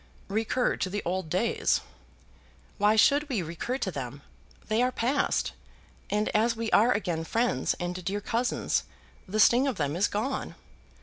"Recur to the old days." "Why should we recur to them? They are passed, and as we are again friends and dear cousins the sting of them is gone."